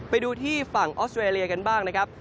ไปดูที่ฝั่งออสเตรเลียกันบ้างนะครับ